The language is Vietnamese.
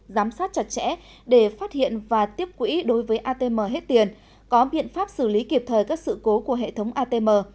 giám sát chặt chẽ để phát hiện và tiếp quỹ đối với atm hết tiền có biện pháp xử lý kịp thời các sự cố của hệ thống atm